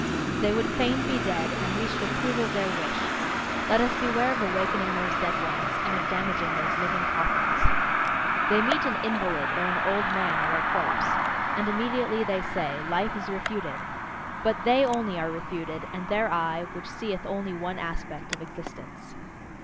They would fain be dead, and we should approve of their wish! Let us beware of awakening those dead ones, and of damaging those living coffins! They meet an invalid, or an old man, or a corpse and immediately they say: "Life is refuted!" But they only are refuted, and their eye, which seeth only one aspect of existence.